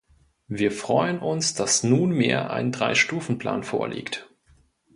Wir freuen uns, dass nunmehr ein Dreistufenplan vorliegt.